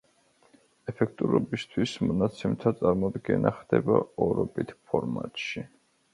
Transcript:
ეფექტურობისთვის მონაცემთა წარმოდგენა ხდება ორობით ფორმატში.